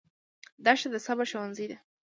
دښته د صبر ښوونځی دی.